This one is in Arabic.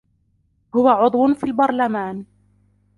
هو عضو في البرلمان.